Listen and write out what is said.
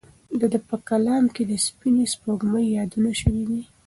د ده په کلام کې د سپینې سپوږمۍ یادونه شوې ده.